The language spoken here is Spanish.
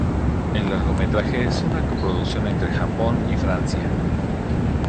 El largometraje es una coproducción entre Japón y Francia.